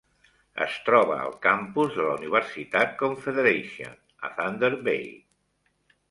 Es troba al campus de la universitat Confederation, a Thunder Bay.